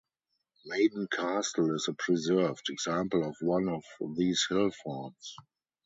Maiden Castle is a preserved example of one of these hill forts.